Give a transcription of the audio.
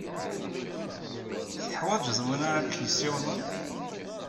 Teḥwajed win ara k-yessiwḍen?